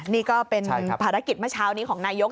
นี่ก็เป็นภารกิจเมื่อเช้านี้ของนายก